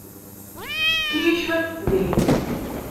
Efk-iyi cwiṭ n tedrimt.